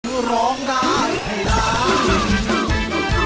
เพื่อร้องได้ให้ร้อง